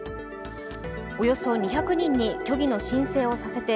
およそ２００人に虚偽の申請をさせて